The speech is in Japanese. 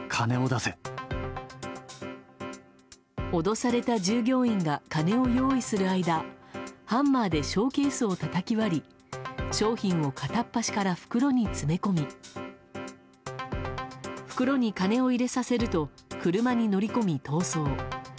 脅された従業員が金を用意する間ハンマーでショーケースをたたき割り商品を片っ端から袋に詰め込み袋に金を入れさせると車に乗り込み逃走。